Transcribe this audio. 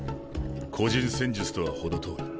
個人戦術とは程遠い。